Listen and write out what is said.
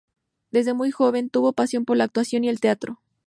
Desde muy joven tuvo pasión por la actuación y el teatro.